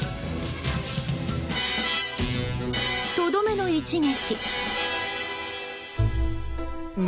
とどめの一撃。